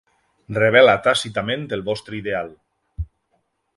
Rebel·la tàcitament el vostre ideal